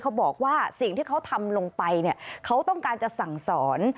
เขาบอกว่าสิ่งที่เขาทำลงไปเนี่ยเขาต้องการจะสั่งสอน